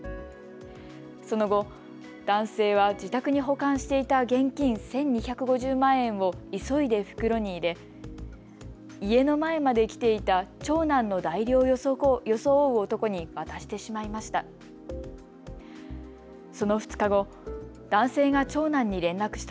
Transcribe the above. その後、男性は自宅に保管していた現金１２５０万円を急いで袋に入れ家の前まで来ていた長男の代理を装う男に渡してしまいました。